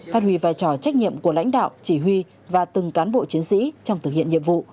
phát huy vai trò trách nhiệm của lãnh đạo chỉ huy và từng cán bộ chiến sĩ trong thực hiện nhiệm vụ